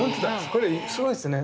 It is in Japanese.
これすごいっすね。